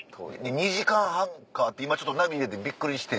２時間半かって今ナビ入れてびっくりして。